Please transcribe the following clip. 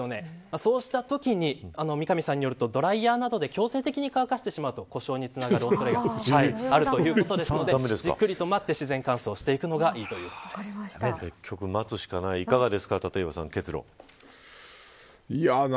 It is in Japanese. そうしたときに三上さんによるとドライヤーなどで強制的に乾かしてしまうと故障につながる恐れがあるということなのでじっくりと待って自然乾燥するのがいいということです。